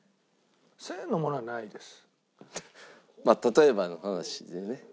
１０００円のものはないです。